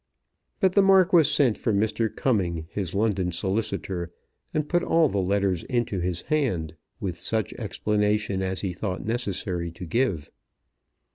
But the Marquis sent for Mr. Cumming, his London solicitor, and put all the letters into his hand, with such explanation as he thought necessary to give.